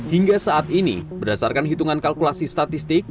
hingga saat ini berdasarkan hitungan kalkulasi statistik